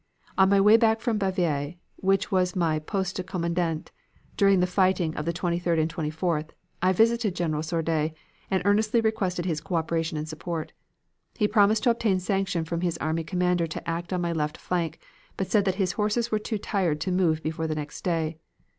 On my way back from Bavai, which was my 'Poste de Commandement' during the fighting of the 23d and 24th, I visited General Sordet, and earnestly requested his co operation and support. He promised to obtain sanction from his army commander to act on my left flank, but said that his horses were too tired to move before the next day.